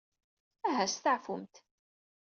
Aha steɛfumt.